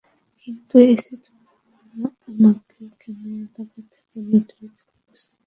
কিন্তু ইসি আমাকে কেন এলাকা ত্যাগের নোটিশ দিল, বুঝতে পারছি না।